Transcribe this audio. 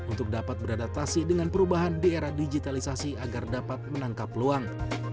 untuk dapat beradaptasi dengan perubahan di era digitalisasi agar dapat menangkap peluang